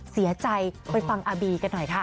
เสียใจไปฟังอาบีกันหน่อยค่ะ